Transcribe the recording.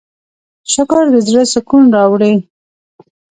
شکر د زړۀ سکون راوړي.